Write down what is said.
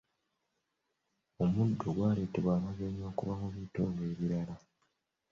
Omuddo gwaleetebwa bagenyi okuva mu bitundu ebirala.